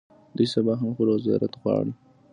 دوی سبا هم خپل وزارت غواړي.